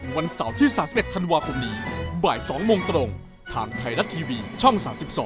วันเสาร์ที่๓๑ธันวาคมนี้บ่าย๒โมงตรงทางไทยรัฐทีวีช่อง๓๒